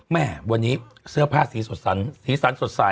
แม่วันนี้เสื้อผ้าสีสดสันสีสันสดใส